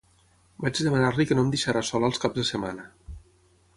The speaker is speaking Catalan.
Vaig demanar-li que no em deixara sola els caps de setmana.